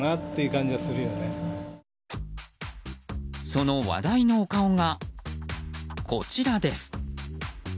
その話題のお顔が、こちらです。